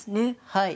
はい。